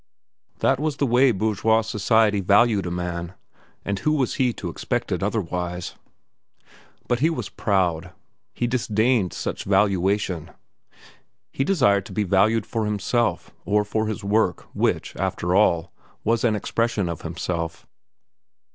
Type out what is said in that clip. That was the way bourgeois society valued a man, and who was he to expect it otherwise? But he was proud. He disdained such valuation. He desired to be valued for himself, or for his work, which, after all, was an expression of himself.